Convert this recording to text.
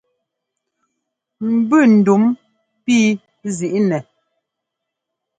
Mbʉ ndúm píi zǐi nɛ.